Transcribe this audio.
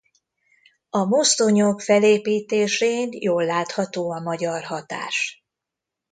A mozdonyok felépítésén jól látható a magyar hatás.